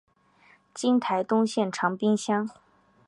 今台东县长滨乡。